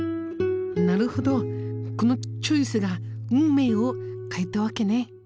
なるほどこのチョイスが運命を変えたわけね！